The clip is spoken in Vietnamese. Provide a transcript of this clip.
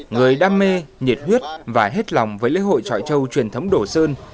người đam mê nhiệt huyết và hết lòng với lễ hội chợ châu truyền thống đồ sơn